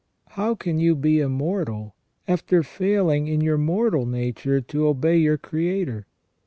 How can you be immortal, after failing in your mortal nature to obey your Creator